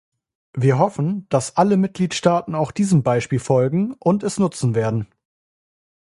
Wir hoffen, dass alle Mitgliedstaaten auch diesem Beispiel folgen und es nutzen werden.